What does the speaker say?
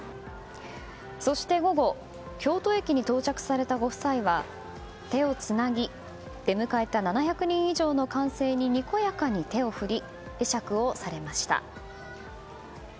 そして午後京都駅に到着されたご夫妻は手をつなぎ出迎えた７００人以上の歓声ににこやかに手を振り会釈をされました。